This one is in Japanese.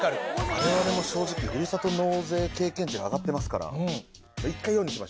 我々も正直ふるさと納税経験値が上がってますから一回４にしましょう。